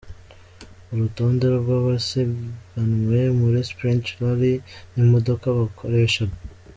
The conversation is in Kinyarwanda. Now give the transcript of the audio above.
Urutonde rw’abasiganwe muri Sprint Rally n’imodoka bakoreshaga.